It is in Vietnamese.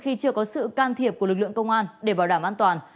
khi chưa có sự can thiệp của lực lượng công an để bảo đảm an toàn